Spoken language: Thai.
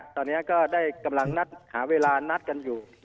ตอนนี้ก็ได้กำลังนัดหาเวลานัดกันอยู่